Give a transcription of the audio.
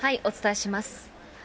お伝えします。